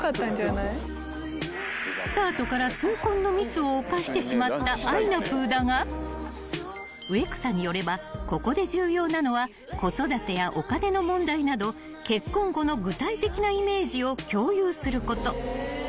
［スタートから痛恨のミスを犯してしまったあいなぷぅだが植草によればここで重要なのは子育てやお金の問題など結婚後の具体的なイメージを共有すること］